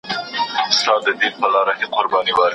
چي په ښار او په مالت کي څه تیریږي